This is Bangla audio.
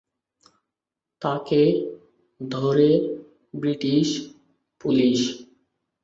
তাকে ধরে ব্রিটিশ পুলিশ।